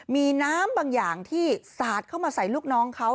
มีน้ำบางอย่างที่สาดเข้ามาใส่ลูกน้องเขา